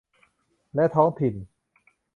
และท้องถิ่น